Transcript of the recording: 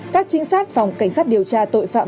các trinh sát phòng cảnh sát điều tra tội phạm